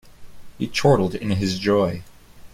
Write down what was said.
He chortled in his joy.